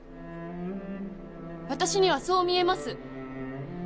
私にはそう見えます！